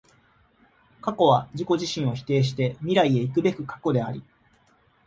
過去は自己自身を否定して未来へ行くべく過去であり、